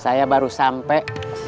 saya baru sampai